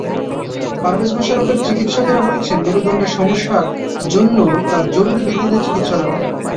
পারভেজ মোশাররফের চিকিৎসকেরা বলছেন, মেরুদণ্ডের সমস্যার জন্য তাঁর জরুরি ভিত্তিতে চিকিৎসা দরকার।